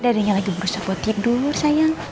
dadanya lagi berusaha buat tidur sayang